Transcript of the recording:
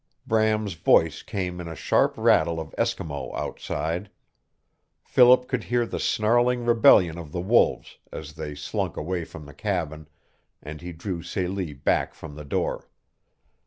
Bram's voice came in a sharp rattle of Eskimo outside. Philip could hear the snarling rebellion of the wolves as they slunk away from the cabin, and he drew Celie back from the door.